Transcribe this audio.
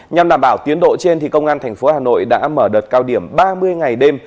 nhằm đảm bảo tiến độ trên công an thành phố hà nội đã mở đợt cao điểm ba mươi ngày đêm